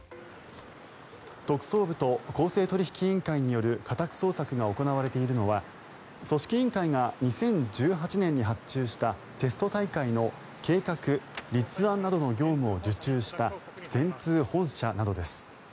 特捜部と公正取引員会による家宅捜索が行われているのは組織委員会が２０１８年に発注したテスト大会の計画立案などの業務を受注した電通本社などです。